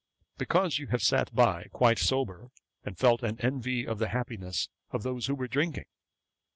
'Because you have sat by, quite sober, and felt an envy of the happiness of those who were drinking.'